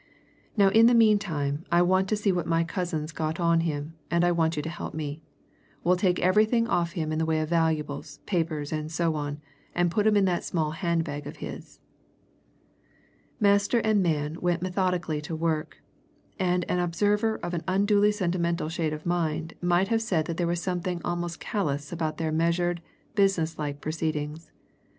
Now in the meantime, I want to see what my cousin's got on him, and I want you to help me. We'll take everything off him in the way of valuables, papers, and so on, and put 'em in that small hand bag of his." Master and man went methodically to work; and an observer of an unduly sentimental shade of mind might have said that there was something almost callous about their measured, business like proceedings.